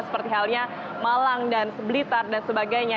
seperti halnya malang dan seblitar dan sebagainya